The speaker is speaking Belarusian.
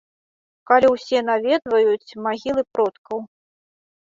Калі ўсе наведваюць магілы продкаў.